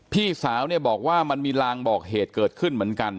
พี่สาวเนี่ยบอกว่ามันมีลางบอกเหตุเกิดขึ้นเหมือนกัน